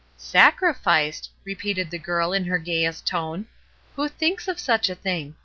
"Sacrificed!" repeated the girl, in her gayest tone. "Who thinks of such a thing?